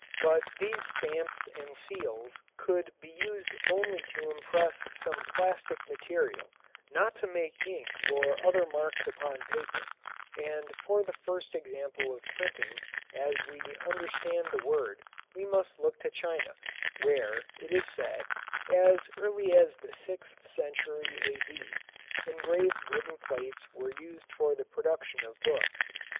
But these stamps and seals could be used only to impress some plastic material, not to make ink or other marks upon paper; and for the first example of printing, as we understand the word, we must look to China, where, it is said, as early as the sixth century, A.D., engraved wooden plates were used for the production of books.